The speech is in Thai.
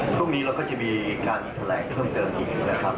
พรุ่งนี้เราก็จะมีการแข่งการแข่งเพิ่มเติมที่อยู่นะครับ